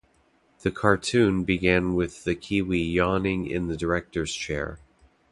The cartoon began with the Kiwi yawning in the director's chair.